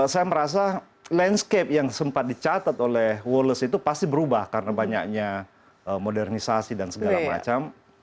saya merasa landscape yang sempat dicatat oleh walles itu pasti berubah karena banyaknya modernisasi dan segala macam